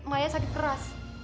maya sakit keras